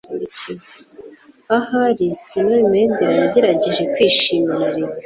Ahari Señor Medena yagerageje kwishima na Alex.